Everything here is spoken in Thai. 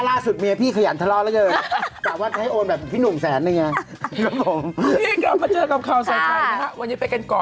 ขอบคุณแป๊ปด้วยค่ะครับคุณแป๊ปครับผมคุณน้องคับพวกเราสวัสดีครับ